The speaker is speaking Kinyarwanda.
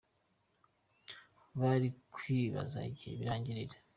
Bari kwibaza igihe birangirira.